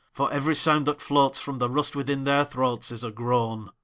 For every sound that floatsFrom the rust within their throatsIs a groan.